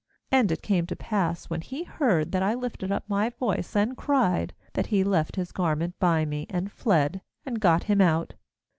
15And it came to pass, when he heard that I lifted up my voice and cried, that he left his garment by me, and fled, and got him out.'